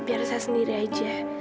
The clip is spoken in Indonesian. biar saya sendiri aja